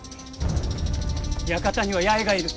館には八重がいる。